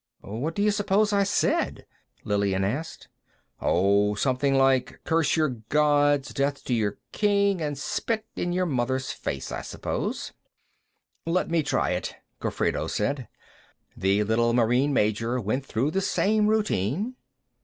"What do you suppose I said?" Lillian asked. "Oh, something like, 'Curse your gods, death to your king, and spit in your mother's face,' I suppose." "Let me try it," Gofredo said. The little Marine major went through the same routine.